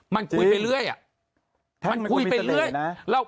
มันคุยไปเรื่อยอ่ะ